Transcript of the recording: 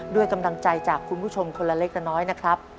ด้วยกำลังใจจากคุณผู้ชมคนละเล็กละน้อยนะครับ